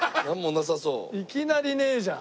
いきなりねえじゃん。